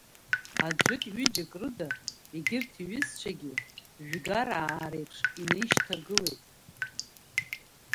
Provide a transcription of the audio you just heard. Аӡәык-ҩыџьак рыда, егьырҭ иҩызцәагьы жәгараа реиԥш инаишьҭалеит.